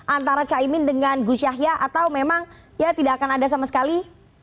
antara caimin dengan gus yahya atau memang ya tidak akan ada sama sekali